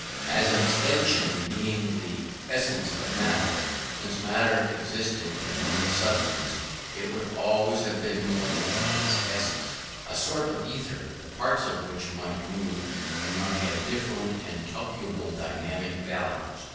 As for extension being the essence of matter, since matter existed and was a substance, it would always have been more than its essence: a sort of ether the parts of which might move and might have different and calculable dynamic values.